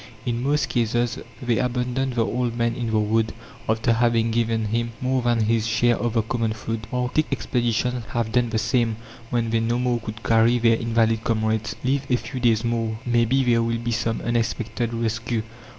In most cases, they abandon the old man in the wood, after having given him more than his share of the common food. Arctic expeditions have done the same when they no more could carry their invalid comrades. "Live a few days more, maybe there will be some unexpected rescue!"